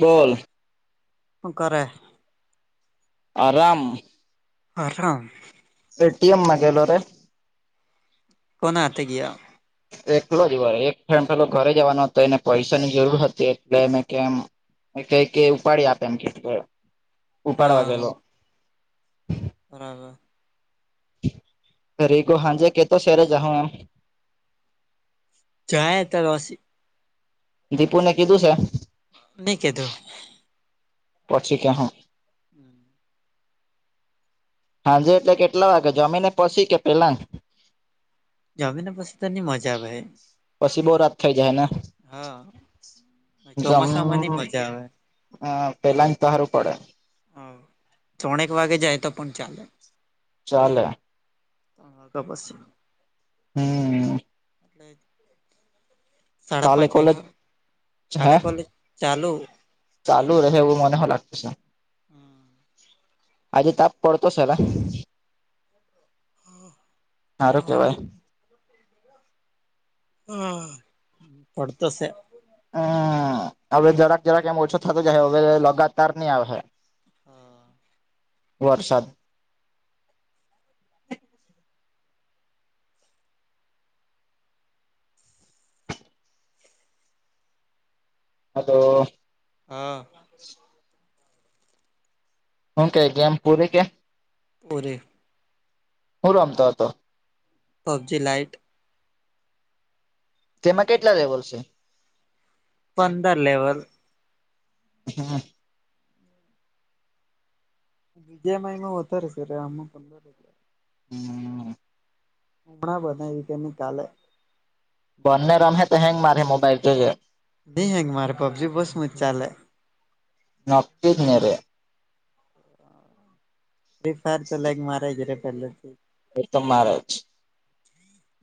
બોલ. હુ કરે? આરામ. આરઆમ. એટીએમમાં ગેલો રે. કોના હાથે ગીયો? એકલો જ વરી એક ફેમ પેલો ઘરે જવાનો હતો, એને પઈસાની જરૂર હતી એટલે મે કેમ એ કેય કે ઉપાડી આપ એમ કે ટ, ઉપાડવા હા ગેલો. બરાબર. રેગો હાંજે કેતો સે રે જાહુ એમ. જાહે તારો અશીફ. દીપુ ને કીધું છે. ની કીધું. પછી કેહું. હમ્મ. હાંજે એટલે કેટલા વાગે જમીને પછી કે પેલા. જમીને પસી તો ની મજા આવે. પછી બહુ રાત થઇ જાય ને. હા ચોમાસામાં નઈ મજા આવે. હા પેલા ને હારુ પડે. હમ્મ ત્રનેક વાગે જાય તો પણ ચાલે. ચાલે. મે તો બસ. હમ્મ. એ સાડા કાલે પાંચ કોલેજ વાગ્યા હે કાલે કોલેજ ચાલુ. ચાલુ રહે એવું મને હો લાગતું છે. હમ્મ. આજે તાપ પડતો છે અલા હારુ કેવાય. હા પડતો સે. હમ્મ હવે જરાક-જરાક એમ ઓછો થતો જાય હવે લગાતાર નહી આવે. હમ્મ. વરસાદ. હતો. હા. હું કે ગેમ પૂરી કે. પુરી. હું રમતો હતો. PUBG lite. તેમાં કેટલા લેવલ છે. પંદર લેવલ. હમ્મ. જેમાંઈમાં વધારે છે આમાં પંદર. હમ્મ. ઘણા બધા ઈ કે ની કાલે. બંને રમ તો હેંગ મારે મોબાઈલ જોજે. ન હેંગ મારે પબજી બોજ સ્મુત ચાલે. નકીનેરે. બિગ ફેન તો લાઈક મારે ગ રે પહેલાથી. એતો મારેજ.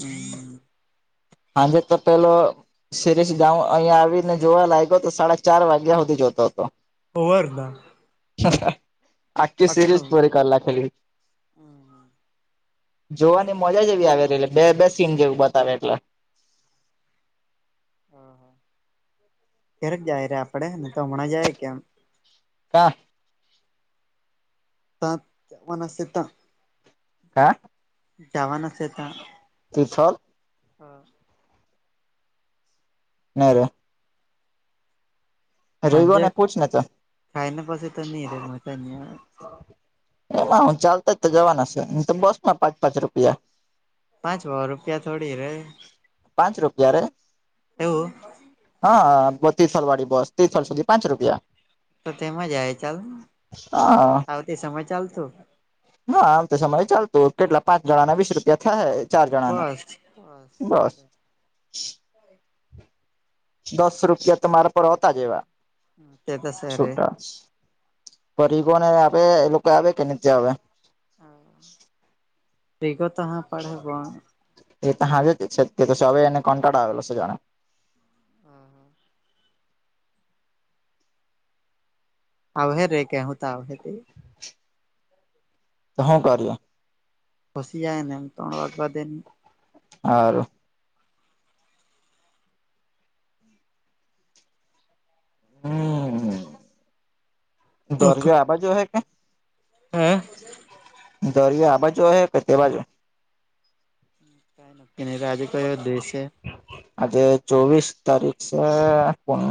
હમ્મ. આજે તો પેલુ. શેરીષ ગાઉ અહીયા આવીને જોવા લાગ્યો તો સાડા ચાર વાગ્યા હુંધી જોતો હતો. હવારના. આખી આટલો સિરીઝ પૂરી કર લાખેલી. જોવાની મજા જ એવી આવે એટલે બે બે સીન જેવું બતાવે એટલે. હ હા. ક્યારેક જાય રે આપડણે ને તો હમણાં જાય કેમ. કા. તાં વનસતા. હા. જવાના છે, હતા ત્રિથોલ હા નાર હાજ, રવિઓને પૂછ ને તો ખાયના પાસે તો નહી, રે મની એમાં હું ચાલતા જ તો જવાના છે, તો બસ માં પાંચ પાંચ રૂપિયા પાંચો રૂપિયા થોડી રે પાંચ રૂપિયા રે એવુ હા ત્રીસલ વાડી બસ ત્રીસલ સુધી પાચ રૂપિયા તો તેમાં જ આવે ચાલ હા આવતી સમય ચાલતુ હા, આમ તો સમય ચાલતુ કેટલા પાંચ જણા ના વીસ રૂપિયા થયા. ચાર જણાના બસ બસ ચાલે દસ રૂપિયા તમારા પર હોતા જવા તે તો સરે છોટા, ફરી કોને આપે એ લોકો આવે કે નીચે આવે હ વિગતા હ પબ એ ત હાજે જ છે, તો સ એને કોન્ટા્ડો આવેલો છે જાણે. હા હા આવ રે કે હુ, તો આવ તો હુ, કાર્ય પસી જાય ને એમ ત્રણ વાગવા દેની હારુ હમ કઈ દરિયો આ બાજુ હે કે દરિયો આ બાજુ હે કે તે બાજુ કાય નક્કી નઇ એ બાજુ તો દૂર છે. આજે ચોવીસ તારીખ છે શું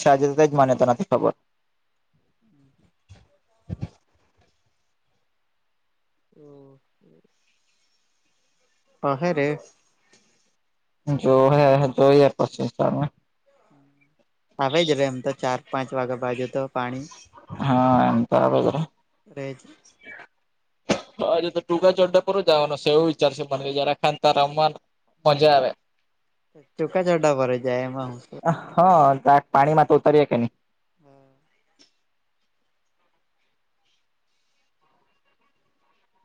છે, આજેજ માન્યતા નથી ખબર હમ્ હ હ હા હે રે જો હે જોઈએ પછી સામે આવે જ રે એમ તો ચાર પાંચ વાગ્યા બાજુ તો પાણીજ હા એમ તો આવે જરા [unintelligible] હજુ તો ટૂંકા ચોડા પર જવાનો છે, એવુ વિચારશે મને જયરા ખાન ત રમાન મજા આવે ચોખા ચાડા ભરે જાય એમાં હુ, તો હા પાણી માં તો ઉતરીએ કે નઈ હમ્મ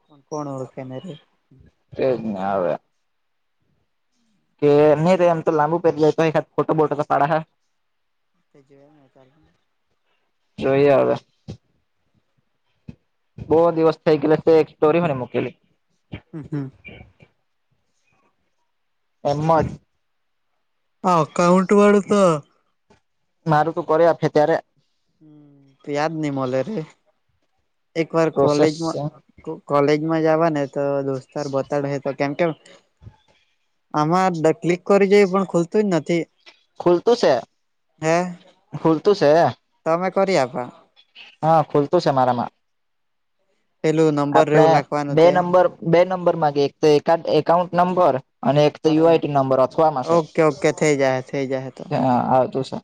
પણ કોણ ઓળખે ના રે એજ ને હવે કે નહી રે એમ તો લંબુ પેરલા તો એકાદ ફોટા બોટો તો પડાહે તેજ તાર જોઈએ હવે બહુ દિવસ થઈ ગયેલા એક્ સ્ટોરી મે નહિ મૂકલી હમ્મ એમાં જ અકાઉન્ટ વાળુ તો મારું તુ કરે આપે ત્યારે હમ યાદ નહી મને રે એક વાર પ્રોસેસ કોલેજમા કોલેજમાં જવા ને તો દોસ્તાર બતાડશે તો કેમ કેમ આમાં ક્લિક કરી જોઈ પણ ખુલતું જ નથી ખુલતું છે ખુલતું છે. તો મે કરી આપા. હા ખુલતું છે મારામાં. પેલું નંબર આપણે એવું લખવાનું બે તે નંબર બે નંબર માંગે એ એક તો એકાઉન્ટ નંબર અને એક તો યુ હા આઈટી નંબર અથવામાં છે ઓકે ઓકે થઈ જાય થઈ જાય તો આવતું છે.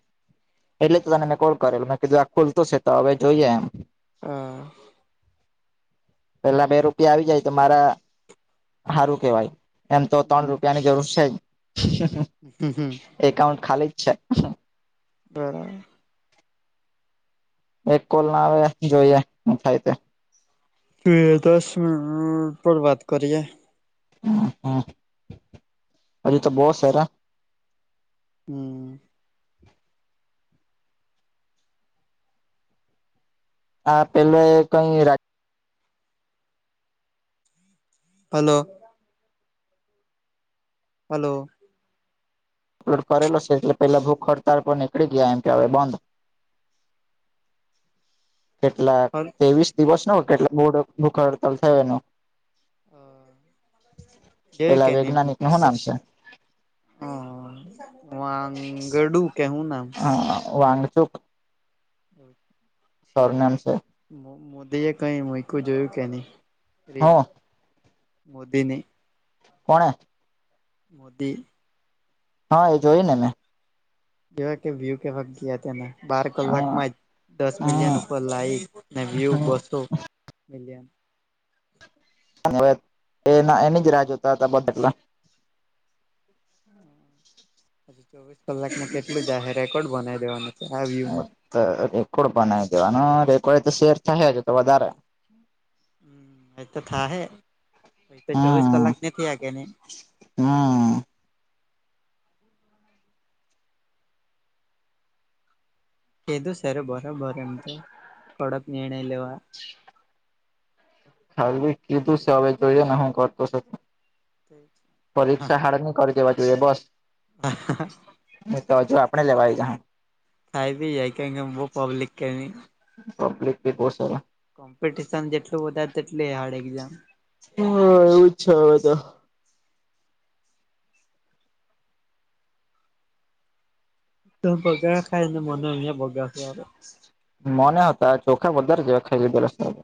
એટલે તો તને મેં કોલ કરેલો મે કીધું આ ખુલતું છે તો હવે જોઈએ એમ. હ. પેલા બે રૂપિયા આવી જાય તો મારા હારુ કેવાય એમ તો ત્રણ રૂપિયાની જરૂર છે જ. હમ્મ હમ્મ. એકાઉન્ટ ખાલી જ છે. બરાબર. એક કોલ ના આવે. જોઈએ હું થાય તે. હમ્મ દસ મિનિટ ઉર ઉપર વાત કરીયે. હમ્મ હમ્મ અજુ તો બો સે અલા. હમ્મ. આ પેલે કંઈ રાજ હલો. હલો! અપલોડ કરેલો છે. એટલે પેલા ભૂખ હડતાળ પર નીકળી ગીયા એમ કેહવાય. બંધ. કેટલાક? હલ તેવીસ દિવસનો કેટલાક ભૂડ, ભૂખ હડતાલ થયો એનો. હ. કેય કે પેલા ની. વૈજ્ઞાનિક નું શું નામ છે હ. વાંગડુ, કે હું નામ? હા. વાંગડુક. હમ્મ. સરનેમ છે. મોદીએ કઈ મુયકુ જોયું કે ની? હ રીલ. મોદીની. કોણે? મોદી. હ એ જોઇને મેં. કેવાયકે, વ્યૂ કેવાક ગીયા તેને. બાર કલાકમાં જ, દસ મિલિયન ઉપર લાઈક અને વ્યુ, બસો મિલિયન. બાબર. એના એની જ રાહ જોતા હતા બધા એટલે. ચોવીસ કલાકમાં કેટલું જાહે રેકોર્ડ બનાવી દેવાનો. એજ તો રેકોર્ડ બનાવી દેવાનો. રેકોર્ડ તો શેર થાહે. તો વધારે હમ્મ એ તો થાહે. પહી તો ચોવીસ કલાક ની થયા કે‌ ની. હમ્મ. કીધું સરે બરાબર એમ તો કડક નિર્ણય લેવા. [inaudible] હર્વિક કીધું છે હવે. જોઈએ ને હું કરતો છે. પરીક્ષા હારાની કેવા જોઈએ બસ. હ હ હા. ની તો હજુ આપણે લેવાય જાય હ. થાય ભી જાય. કેમ કે, બો પબ્લિક કેની. પબ્લિકભી બો સરસ. કોમ્પિટિશન જેટલું વધારે, તેટલી હાર્ડ એક્ઝામ. હ. એવું જ છે હવે‌ તો. તુ બગાસા ખાયને મને અહયા બગાસા આવે. મને આવતા હે આ ચોખા વધારે જેવા ખાઈ લીધેલા છે.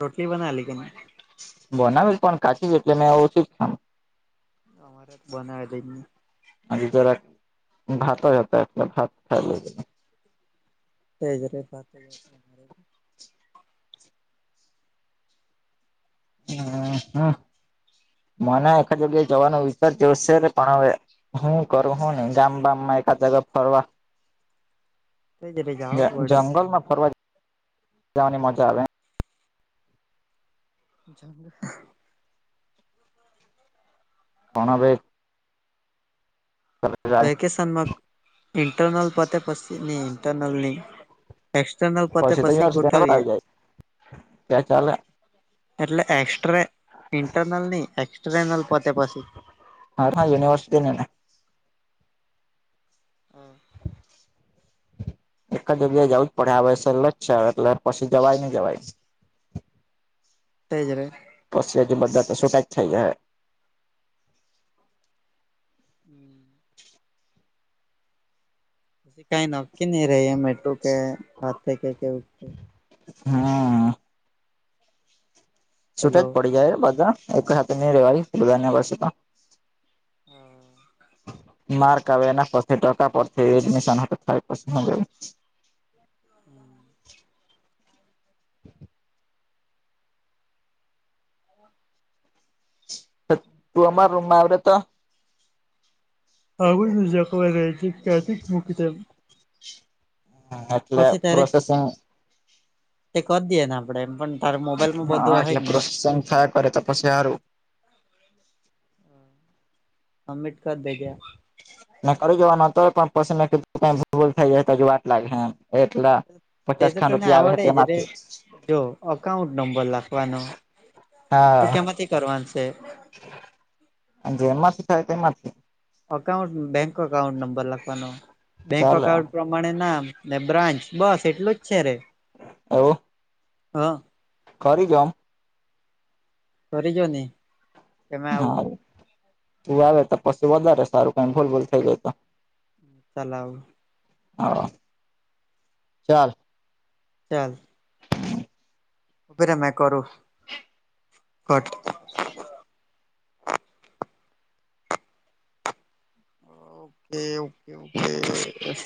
રોટીલી બનાવલી કે ની? બનાવેલી પણ કાચી જ એટલે મેં આછી જ ખામ. અમારે તો બનાવેલુ ની. હજુ જરાક ખાતો જ હતો. ભાત ખાઈ લીધુ. તેજ રે હ હ. મને એખાદ જગ્યાએ જવાનો વિચાર જેવો છે રે. પણ હવે, હું કરું, હું ની. જામ-બામ માં એકાદ જગ્યાએ ફરવા. તેજ રે જ જાવું પડે જંગલ માં ફરવા જવાની મજા આવે. જંગ પણ હવે, વેકેશનમાં. ઇન્ટરનલ પતે પછી. ની ઇન્ટરનલની એક્સટર્નલ પતે તો પછી યુનિવર્સિટી તરત ગોઠવીએ. આવી જાય ત્યાં ચાલે એટલે એક્સ ર્ટઇન્ટરનલ નહી એક્સટરર્નલ પોતે પછી હા હા યુનીવર્નેસ્તી ને હા. એક જગ્યાએ જાવું જ પડે આવે છે લસા એટલે પછી જવાય નહી જવાય તેજ રે. પછી જે મજા કસુ નથી થયુ એ. હમ. [unintelligible] પછી કાંઈ નકકી ન રહીયા મેટ્ર કે હાથ તે કાય એવું જ. તે હા આ છૂટા જ હલો પડી જાય બધા એક સાથે નહી રેવાય નેયવસ હા ઉ અં. માર્ક આવે એના પર ટકા પર એડમિશન થાય પછી હું હમ. તું અમારા રૂમમાં આવડે તો આવું જે કોઈ રાયથી ક્યાંથી કેપિટલ એટલે ત્યારે પ્રોસેસાહ તે કરી દઈએ ને આપણે એમ પણ તારે મોબાઈલ માં બધું હોય જ ને સંખ્યા. ટ અરે તપાસ ને હારુ. અમિટ કર દેગે કરી જવાનું હતું, પણ પસંદગી ખોટી થઈ જાય, તો જ વાટ લાગે. એટલા તે પચાસ તો ખાન તને રૂપિયા આવે આવડે જ ને તેમાંથી જો અકાઉન્ટ નંબર લખવાનો હા અ કરવાવાનું છે. જેમાંથી થાય તેમાંથી. અકાઉન્ટ બેંક અકાઉન્ટ નંબર લખવાનો બેંક ચાલે અકાઉન્ટ માણે નામ ને બ્રાન્ચ બસ એટલું જ છે રે એવૉ. હા. કરી ડો. કરી જો ને. હાવ તું આવે તો પછી વધારે સારું કઈ ભૂલ ભૂલ થઈ ગય તો ચલાવ. હા ચાલ. ચાલ. ઉભી રે કરૂ કટ ઓકે ઓકે ઓકે યક